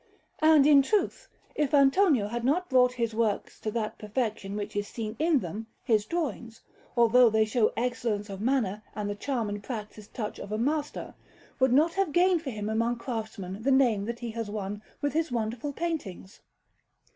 And in truth, if Antonio had not brought his works to that perfection which is seen in them, his drawings (although they show excellence of manner, and the charm and practised touch of a master) would not have gained for him among craftsmen the name that he has won with his wonderful paintings.